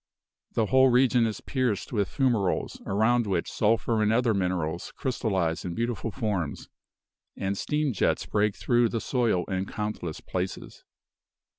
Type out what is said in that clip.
The whole region is pierced with fumaroles, around which sulphur and other minerals crystalize in beautiful forms; and steam jets break through the soil in countless places.